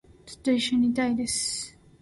ずっと一緒にいたいです